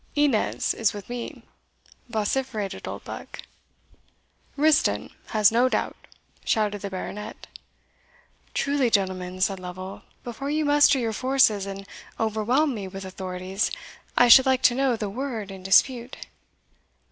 "Innes is with me!" vociferated Oldbuck. "Riston has no doubt!" shouted the Baronet. "Truly, gentlemen," said Lovel, "before you muster your forces and overwhelm me with authorities, I should like to know the word in dispute."